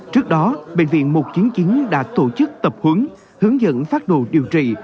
trước đó bệnh viện một trăm chín mươi chín đã tổ chức tập huấn hướng dẫn phát đồ điều trị